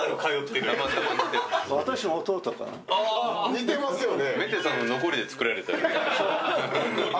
似てますよね。